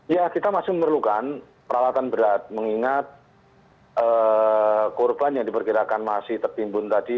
ya kita masih memerlukan peralatan berat mengingat korban yang diperkirakan masih tertimbun tadi